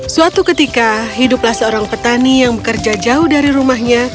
suatu ketika hiduplah seorang petani yang bekerja jauh dari rumahnya